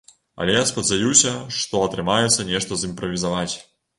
Але я спадзяюся, што атрымаецца нешта зымправізаваць.